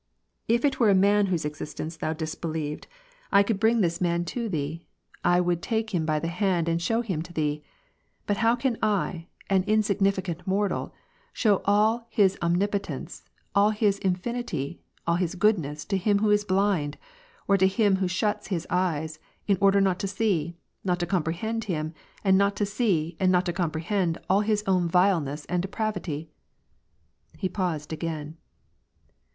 " If it were a man whose existence thou disbelieved, I could 72 W''^^ ^^^ PEACE. bring this man to thee, I would take him by the hand and show him to thee. But how can I, an insignificemt mortal, show all His omnipotence, all His infinity, all His goodness to him who is blind, or to him who shuts his eyes, in order not to see, not to comprehend Him, and not to see and not to com prehend all his own vileness and depravity ?" He paused again.